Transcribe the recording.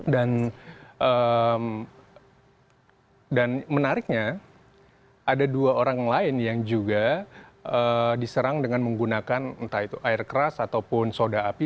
dan menariknya ada dua orang lain yang juga diserang dengan menggunakan entah itu air keras ataupun soda api